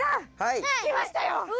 つきましたよ！